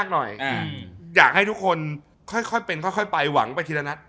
หยากให้ทุกคนค่อยไปหวังทีละนัด